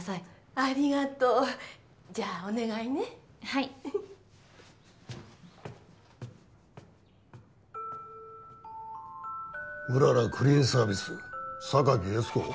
ありがとうじゃあお願いねはいうららクリーンサービス榊悦子？